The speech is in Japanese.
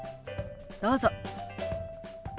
どうぞ。